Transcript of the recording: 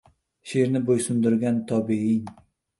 Sherni bo‘ysundirgan tobein